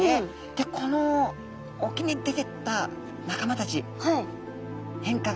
でこの沖に出てった仲間たち変化が生じましたよ。